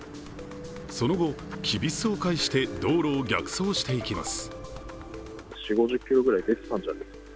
その後、きびすを返して道路を逆走していきます。